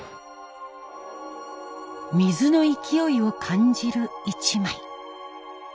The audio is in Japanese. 水の勢いを感じる一枚。